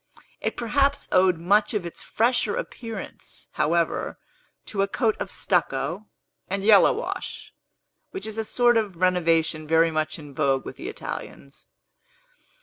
It perhaps owed much of its fresher appearance, however, to a coat of stucco and yellow wash, which is a sort of renovation very much in vogue with the Italians.